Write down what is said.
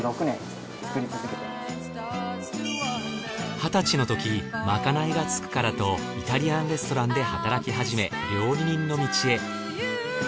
２０歳のときまかないが付くからとイタリアンレストランで働きはじめ料理人の道へ。